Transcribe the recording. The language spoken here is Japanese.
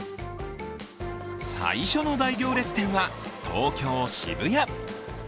最初の大行列店は、東京・渋谷。